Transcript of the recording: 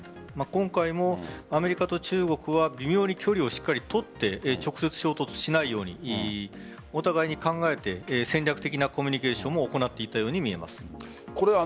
今回もアメリカと中国は微妙に距離をしっかりとって直接、衝突しないようにお互いに考えて戦略的なコミュニケーションも行っていたように見えます。